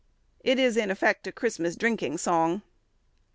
It is in effect a Christmas drinking song.